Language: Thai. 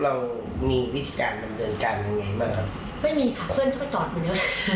เรามีวิธีการเหมือนเดินกันยังไงบ้างครับไม่มีค่ะเพื่อนช่วยจอดเหมือนเดิม